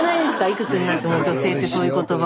いくつになっても女性ってそういう言葉。